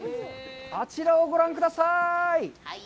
あちらをご覧ください。